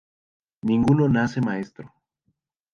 Ninguno nace maestro